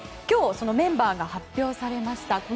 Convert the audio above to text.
今日そのメンバーが発表されました。